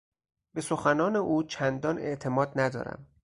به سخنان او چندان اعتماد ندارم.